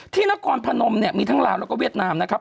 นครพนมเนี่ยมีทั้งลาวแล้วก็เวียดนามนะครับ